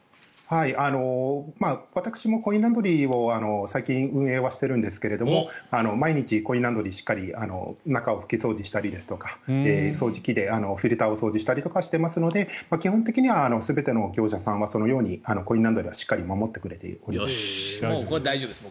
私もコインランドリーを最近、運営しているんですが毎日、コインランドリーはしっかり中を拭き掃除したり掃除機でフィルターを掃除したりしていますので基本的には全ての業者さんはそのようにコインランドリーはしっかり守ってくれています。